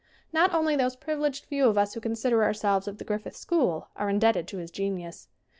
Not only those privileged few of us who con sider ourselves of the Griffith school are in debted to his genius.